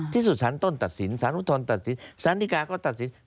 ที่สุดศานต้นตัดสินศานรุทรันตัดสินศานธิการก็ตัดสิน